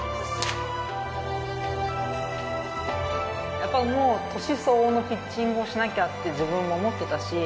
やっぱり、もう、年相応のピッチングをしなきゃって自分も思ってたし。